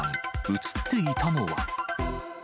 写っていたのは。